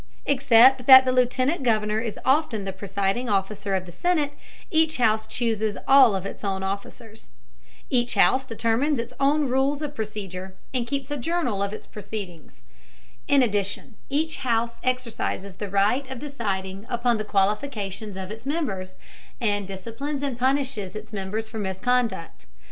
Except that the lieutenant governor is often the presiding officer of the senate, each house chooses all of its own officers. Each house determines its own rules of procedure and keeps a journal of its proceedings. In addition, each house exercises the right of deciding upon the qualifications of its members, and disciplines and punishes its members for misconduct.